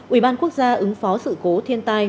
ubnd ứng phó sự cố thiên tai